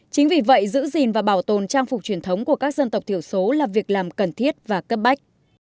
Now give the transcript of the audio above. chính vì vậy giữ gìn và bảo tồn trang phục truyền thống của các dân tộc thiểu số là việc làm cần thiết và cấp bách